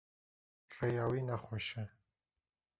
Rêya wî ne xweş e.